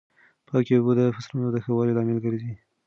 پاکې اوبه د فصلونو د ښه والي لامل ګرځي.